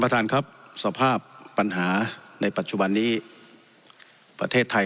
ท่านครับสภาพปัญหาในปัจจุบันนี้ประเทศไทย